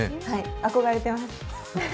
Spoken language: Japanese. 憧れてます。